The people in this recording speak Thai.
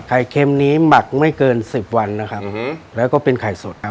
เค็มนี้หมักไม่เกินสิบวันนะครับแล้วก็เป็นไข่สดอ่ะ